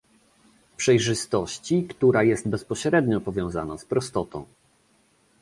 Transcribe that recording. przejrzystości, która jest bezpośrednio powiązana z prostotą